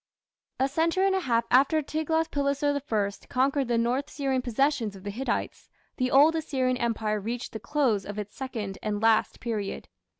A century and a half after Tiglath pileser I conquered the north Syrian possessions of the Hittites, the Old Assyrian Empire reached the close of its second and last period.